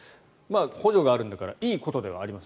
補助があるんだからいいことではあります。